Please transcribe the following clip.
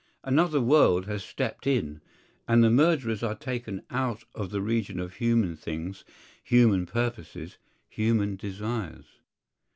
Another world has stepped in; and the murderers are taken out of the region of human things, human purposes, human desires.